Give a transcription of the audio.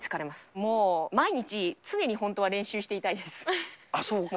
もう毎日、常に本当は練習していそうか。